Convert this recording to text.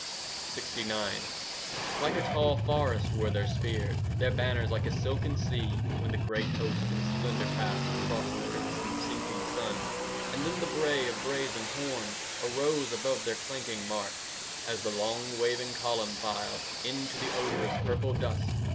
LXIX Like a tall forest were their spears, Their banners like a silken sea, When the great host in splendour passed Across the crimson sinking sun. And then the bray of brazen horns 5 Arose above their clanking march, As the long waving column filed Into the odorous purple dusk.